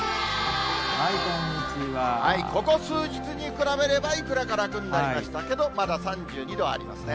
ここ数日に比べれば、いくらか楽になりましたけど、まだ３２度ありますね。